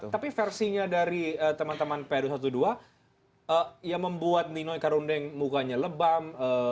tapi versinya dari teman teman pru dua belas yang membuat nino eka rundeng mukanya lebam